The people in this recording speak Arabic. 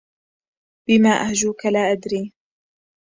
بما أهجوك لا أدري